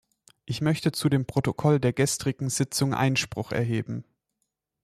Ich möchte zu dem Protokoll der gestrigen Sitzung Einspruch erheben.